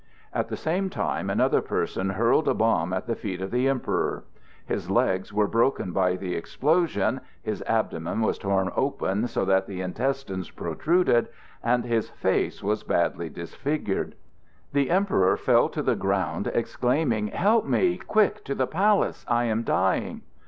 At the same time another person hurled a bomb at the feet of the Emperor. His legs were broken by the explosion, his abdomen was torn open so that the intestines protruded, and his face was badly disfigured. The Emperor fell to the ground, exclaiming: "Help me! Quick to the Palace! I am dying!"